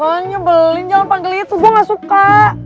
oh nyobelin jangan panggil itu gue gak suka